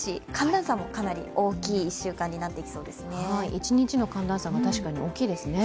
一日の寒暖差も確かに大きいですね。